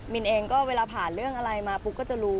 นเองก็เวลาผ่านเรื่องอะไรมาปุ๊บก็จะรู้